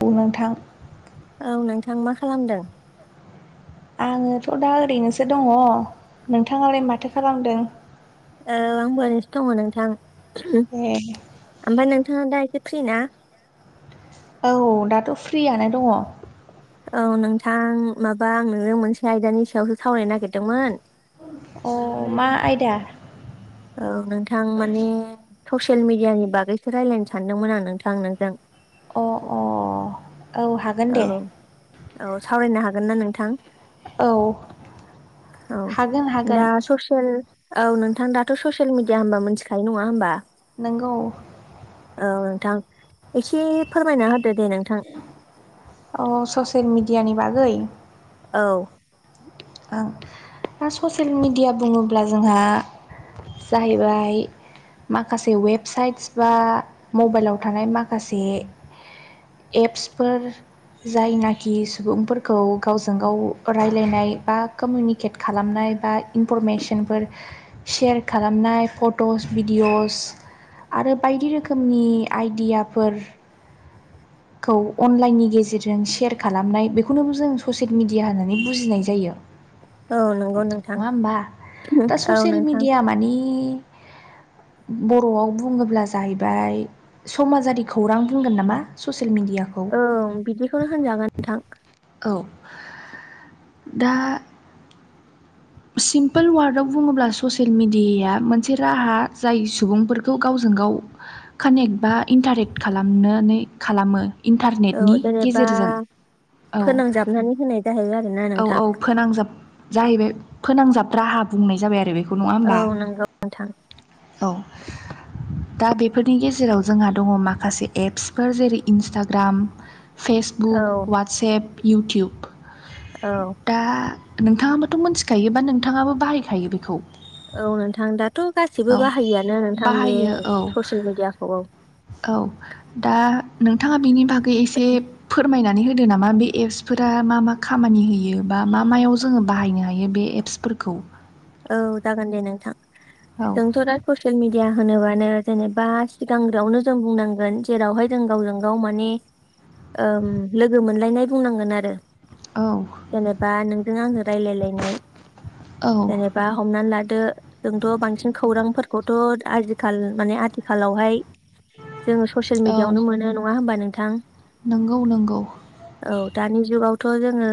औ नोंथां। औ नोंथां मा खालामदों? आङोथ' दा ओरैनोसो दङ नोंथाङालाय मा खालामदों? ओ आंबो ओरैनोसो दङ नोंथां। ए। ओमफाय नोंथाङा दा एसे प्रिना? औ दाथ' फ्रियनो दङ। औ नोंथां माबा आं नोजों मोनसे आयदानि सायावसो सावरायनो नागिरदोंमोन। अ मा आयदा? औ नोंथां माने ससियेल मिडियानि बागैसो रायजलायनो सानदोंमोन आं नोंथां नोंजों। अ अ औ हागोन औ दे। औ सावरायनो हागोन ना नोंथां? औ औ हागोन हागोन दा ससियेल औ नोंथां दाथ' ससियेल मिडिया होमबा मिथिखायो नङा होनोमबा नोंगौ। औ नोंथां एसे फोरमायना होदो दे नोंथां। अ ससियेल मिडियानि बागै। औ। ओं दा ससियेल मेडिया बुङोब्ला जोंहा जाहैबाय माखासे वेबसाइटस बा मबाइलाव थानाय माखासे एप्सफोर जायनाखि सुबुंफोरखौ गावजों गाव रायलाय बा कमिनिक केट खालामनाय बा इनफरमेसनफोर सेयार खालामनाय फट'स भिडिअ'स आरो बायदि रोखोमनि आइदियाफोर खौ अनलाइननि गेजेरजों सेयार खालामनाय बेखौनोबो जों ससियेल मिडिया होननानै बुजिनाय जायो औ नंगौ नोंथां नङा होमबा दा औ ससियेल नोंथां मिडिया माने [inaudible] बर'आव बुङोब्ला जाहैबाय समाजारि खौरां बुंगोन नामा ससियेल मिडिया खौ ओं बिदिखौनो होनजागोन नोंथां औ दा सिम्पोल वार्डआव बुङोब्ला ससियेल मेडियाया मोनसे राहा जाय सुबुंफोरखौ गावजों गाव कानेक्ट बा इन्टारेक्ट खालामनानै खालामो औ इन्टारनेटनि गेजेरजों औ [unintelligible] जाहो गारगोन आरो औ औ फोनांजाब जाहैबाय फोनांजाब राहा बुंनाय जाबाय आरो बेखौ नङा औ होमबा नंगौ नोंथां औ दा बेफोरनि गेजेराव जोंहा दङ माखासे एप्सफोर जेरै इन्सटाग्राम औ फेसबुक वाट्सएप इउटुब औ दा नोंथाङाबोथ' मोनथिखायो बा नोंथाङाबो बाहायखायो बेखौ औ नोंथां दाथ' गासिबो औ बाहायोआनो नोंथां बे बाहायो औ ससियेल मिडियाखौ औ दा नोंथाङा बिनि बागै एसे फोरमायनानै हो होदो नामा बे एप्सफोरा मा मा खालाम खामानि होयो बा मा मायाव जोङो बाहायनो हायो बे एप्सफोरखौ औ जागोन नोंथां औ जोंथ' दा ससियेल मिडिया होनोबानो जेनेबा सिगांग्रोआवनो जों बुंनांगोन जेरावहाय जों गावजों गाव माने ओ लोगो मोनलायनाय बुंनांगोन आरो औ जेनेबा नोंजों आजों रायलायलायनाय औ नेबा हमनानै लादो जोंथ' बांसिन खौरांफोरखौथ' आजिखाल माने आथिखालावहाय जोङो ससियेल मिडियावनो मोनो नङा होमबा नोंथां नोंगौ नोंगौ औ दानि जुगावथ' जोङो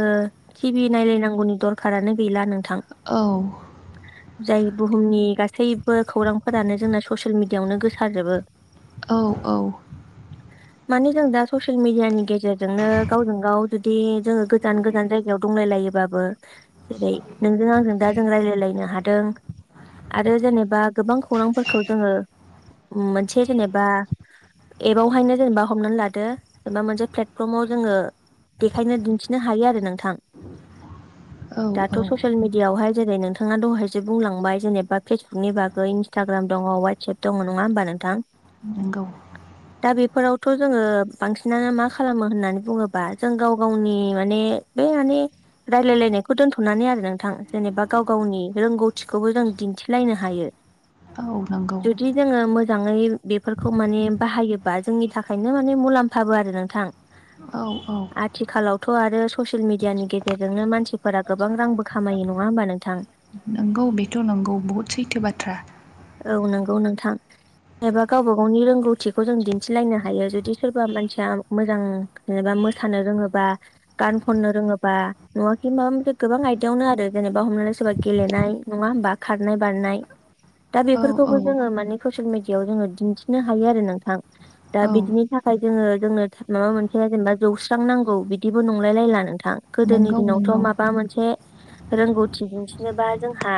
टिभि नायलायनांगौनि दरखारानो गैला नोंथां औ जाय बुहुमनि गासैबो खौरांफोरानो जोंना ससियेल मिडियाआवनो गोसारजोबो [unintelligible] औ औ माने जों दा ससियेल मिडियानि गेजेरजोंनो गावजों गाव जुदि जोङो गोजान गोजान जायगायाव दंलाय लायोबाबो जेरै नोंजों आंजों दा रायलायलायनो हादों आरो जेनेबा गोबां खौरांफोरखौ जोङो मोनसे जेनेबा एबावहायनो जेनेबा हमनानै लादो जेनबा मोनसे प्लेटफर्माव जोङो बेखायनो दिन्थिनो हायो आरो नोंथां औ दाथ' औ ससियेल मिडियाआवहाय जेरै नोंथाङा दहायसो बुंलांबाय जेनेबा फेसबुकनि बागै इन्स्टाग्राम दङ अवाटसाप दङ नङा होमबा नोंथां। नोंगौ [inaudible] दा बेफोरावथ' जोंङो बांसिनानो मा खालामो होननानै बुङोबा जों गाव गावनि माने बे माने रायलायलायनायखौ दोनथ'नानै आरो नोंथां जेनेबा गाव गावनि रोंगौथिखौबो जों दिन्थिलायनो हायो। औ नांगौ जोंङो मोजाङै बेफोरखौ माने बाहायोबा जोंनि थाखायनो माने मुलाम्फाबो आरो नोंथां। औ औ आथिखालावथ' आरो ससियेल मिडियानि गेजेरजोंनो मानसिफोरा गोबां रांबो खामायो। नङा होमबा नोंथां नंगौ बेथ' नंगौ बहुत सैथो बाथ्रा औ नंगौ नोंथां एबा गावबा गावनि रोंगौ थिखौ जों दिन्थिलायनो हायो जुदि सोरबा मानसिया मोजां जेनेबा मोसानो रोङोबा गान खननो रोङोबा नङाखि माबा मोनसे गोबां आयदायावनो आरो जेनेबा हमनाला सोरबा गेलेनाय नङा होमबा खारनाय बारनाय दा औ औ बेफोरखौबो जोंङो माने ससियेल मिडियाआव जोंङो दिन्थिनो हायो आरो नोंथां। दा औ बिदिनि थाखाय जोंङो जोंनो माबा मोनसेया जेनेबा जौस्रां नांगौ बिदिबो नंलाय लायला नोंथां गोदोनि नंगौ दिनावथ' नंगौ माबा मोनसे रोंगौथि दिन्थिनोबा जोंहा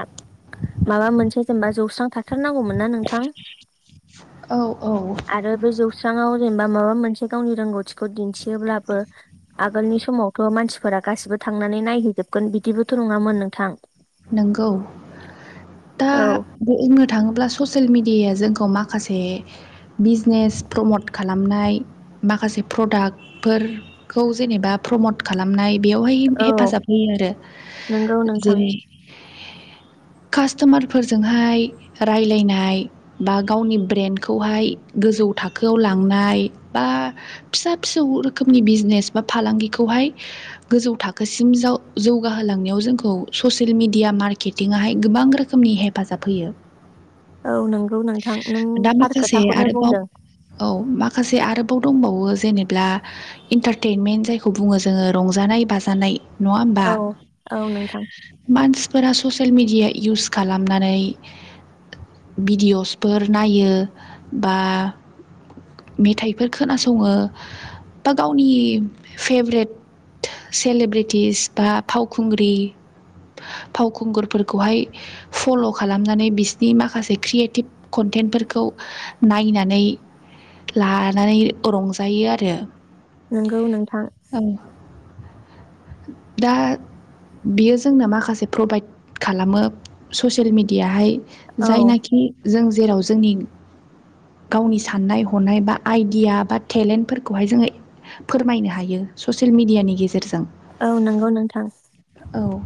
माबा मोनसे जेनेबा जौस्रांथा थारनांगौमोन ना नोंथां औ औ आरो बे जौस्रांआव जेनेबा माबा मोनसे गावनि रोंगौथि खौ दिन्थियोब्लाबो आगोलनि समावथ' मानसिफोरा गासिबो थांनानै नायहैजोबगोन बिदिबो थ' नङामोन नोंथां नोंगौ दा औ बुंनो थाङोब्ला ससियेल मिडिया जोंखौ माखासे बिजनेस प्रमट खालामनाय माखासे प्रडाक्ट फोरखौ जेनेबा प्रमट खालामनाय बेयावहाय औ हेफाजाब होयो आरो नंगौ जेरै [inaudible] कासथमार फोरजोंहाय रायलायनाय बा गावनि ब्रेनखौहाय गोजौ थाखोआव लांनाय बा फिसा फिसौ रोखोमनि बिजनेस बा फालांगिखौहाय गोजौ थाखोसिम जाव जौगाहोलांनायाव जोंखौ ससि येल मिडिया मार्केटिंहाय गोबां रोखोमनि हेफाजाब होयो औ नंगौ नोंथां नों दा थार माखासे खोथाखौनो आरोबाव बुंदों औ माखासे आरोबाव दंबावो जेनेब्ला इन्टारटेइेनमेन्ट जायखौ बुङो जोंङो रंजानाय बाजानाय नङा होमबा औ औ नोंथां मानसिफोरा ससियेल मेडिया इउस खालामनानै भिडिअसफोर नायो बा मेथाइफोर खोनासङो बा गावनि फेभ्रेट सेलेब्रिटिस बा फावखुंग्रि फावखुंगुरफोरखौहाय फल खालामनानै बिसिनि माखासे क्रियेटिभ कन्टेन्टफोरखौ नायनानै लानानै रंजायो आरो नोंगौ नोंथां ओं दा बेयो जोंना मा खा माखासे प्रभाइद खालामो ससियेल मेडियाहाय औ जायनाखि जों जेराव जोंनि गावनि साननाय हनाय बा आइडिया बा टेलेन्टफोरखौहाय जोंङो फोरमायनो हायो ससियेल मेडियानि गेजेरजों औ नंगौ नोंथां औ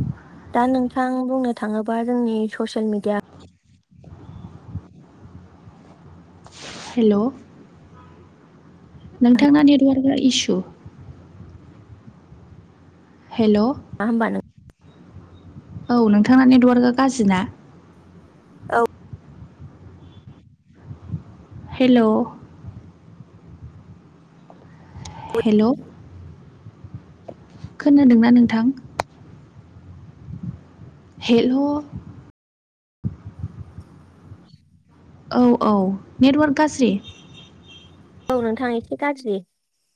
दा नोंथां बुंनो थाङोबा जोंनि ससियेल मिडिया हेलौ' नोंथांना नेटवार्कआ इसु हेल मा होनबा नों औ नोंथांना नेटवार्कआ गाज्रि ना औ हेल हेलौ खोनादोंना नोंथां? हेल औ औ नेटवार्क गाज्रि औ नोंथां एसे गाज्रि